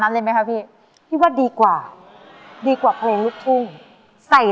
ให้ฉันกลายเป็นคนเดียวที่รักเธอทั้งใจ